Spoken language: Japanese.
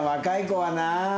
若い子はな。